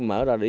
mở ra đó